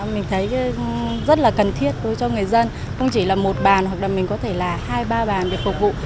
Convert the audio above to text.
mình thấy rất là cần thiết đối với người dân không chỉ là một bàn hoặc là mình có thể là hai ba bàn để phục vụ